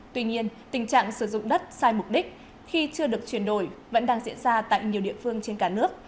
tuy nhiên tình trạng sử dụng đất sai mục đích khi chưa được chuyển đổi vẫn đang diễn ra tại nhiều địa phương trên cả nước